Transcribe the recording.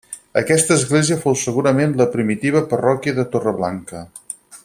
Aquesta església fou segurament la primitiva parròquia de Torreblanca.